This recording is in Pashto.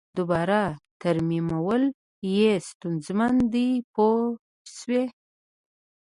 دوباره ترمیمول یې ستونزمن دي پوه شوې!.